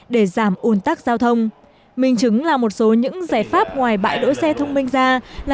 để giảm uồn tắc giao thông mình chứng là một số những giải pháp ngoài bãi đổi xe thông minh ra là